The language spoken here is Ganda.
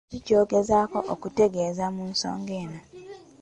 Kiki ky’ogezaako okutegeeza mu nsonga eno?